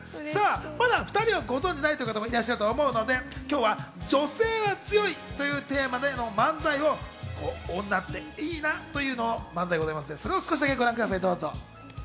まだ２人をご存知ない方もいらっしゃると思うので、今日は女性は強いというテーマでの漫才は、女っていいなというのを少しだけご覧ください。